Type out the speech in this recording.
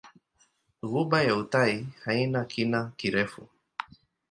Ghuba ya Uthai haina kina kirefu.